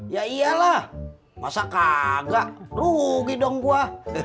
ya iyalah masa kaga rugi dong gue